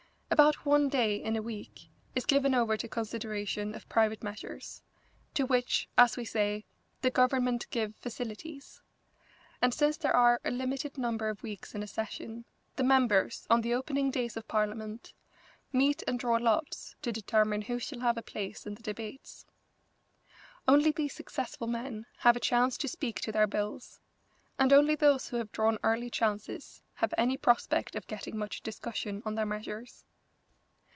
About one day in a week is given over to consideration of private measures, to which, as we say, the Government give facilities; and since there are a limited number of weeks in a session, the members, on the opening days of Parliament, meet and draw lots to determine who shall have a place in the debates. Only these successful men have a chance to speak to their bills, and only those who have drawn early chances have any prospect of getting much discussion on their measures.